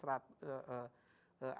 setelah itu kita mengirim